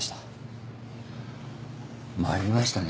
参りましたね。